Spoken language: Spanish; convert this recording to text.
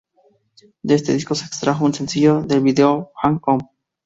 De este disco se extrajo su sencillo y vídeo "Hang On".